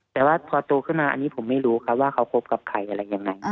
แต่ว่าพอโตขึ้นมาอันนี้ผมไม่รู้ครับว่าเขาคบกับใครอะไรยังไง